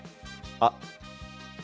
あっ！